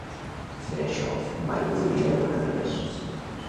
Per això mai no li he amagat res.